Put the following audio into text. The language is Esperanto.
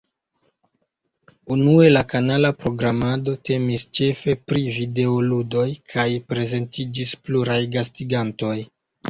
Unue, la kanala programado temis ĉefe pri videoludoj kaj prezentiĝis pluraj gastigantoj.